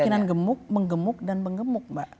kemungkinan gemuk menggemuk dan menggemuk mbak